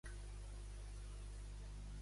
La núvia de Halloween dimarts vinent a Barberà?